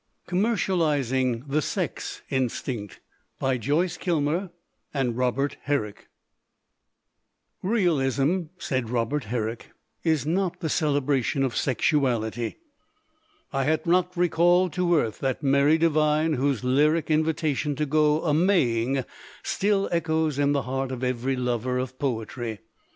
COMMERCIALIZING THE SEX INSTINCT ROBERT HERRICK COMMERCIALIZING THE SEX INSTINCT ROBERT HERRICK REALISM," said Robert Herrick, "is not the celebration of sexuality." I had not re called to earth that merry divine whose lyric in vitation to go a Maying still echoes in the heart of every lover of poetry.